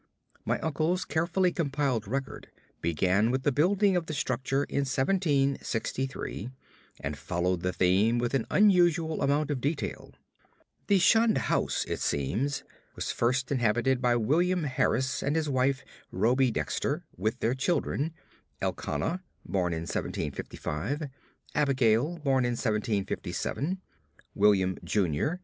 My uncle's carefully compiled record began with the building of the structure in 1763, and followed the theme with an unusual amount of detail. The shunned house, it seems, was first inhabited by William Harris and his wife Rhoby Dexter, with their children, Elkanah, born in 1755, Abigail, born in 1757, William, Jr.